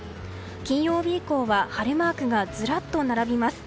金曜日以降は晴れマークがずらっと並びます。